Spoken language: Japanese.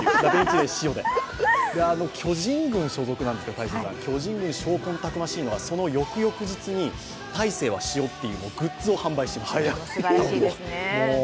大勢選手は巨人軍所属なんですが、巨人軍、商魂たくましいのは、大勢は塩というグッズを販売しています。